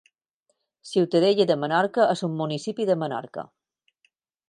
Ciutadella de Menorca és un municipi de Menorca.